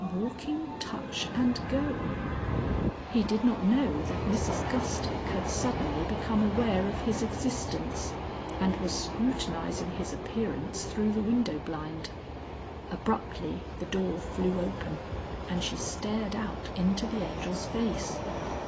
"Walking Touch and Go!" He did not know that Mrs Gustick had suddenly become aware of his existence, and was scrutinizing his appearance through the window blind. Abruptly the door flew open, and she stared out into the Angel's face.